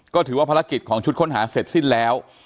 ก็ถือว่าภารกิจของชุดค้นหาเสร็จสิ้นแล้ว